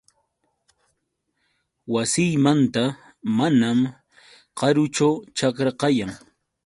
Wasiymanta manam karuchu ćhakra kayan.